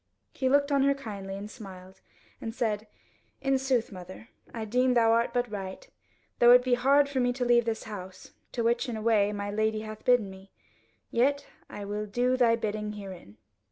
He looked on her kindly, and smiled, and said, "In sooth, mother, I deem thou art but right; though it be hard for me to leave this house, to which in a way my Lady hath bidden me. Yet I will do thy bidding herein."